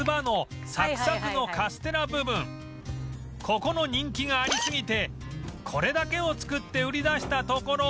ここの人気がありすぎてこれだけを作って売り出したところ